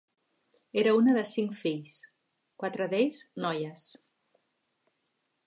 Era una de cinc fills, quatre d'ells noies.